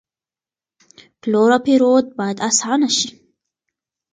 پلور او پېرود باید آسانه شي.